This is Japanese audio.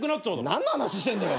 何の話してんだよ。